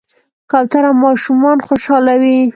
کوتره ماشومان خوشحالوي.